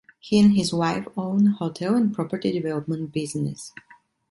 He and his wife own a hotel and property development business.